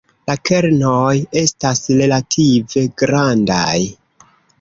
La kernoj estas relative grandaj.